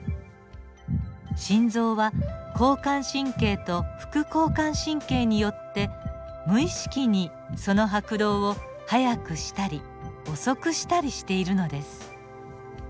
心臓は交感神経と副交感神経によって無意識にその拍動を速くしたり遅くしたりしているのです。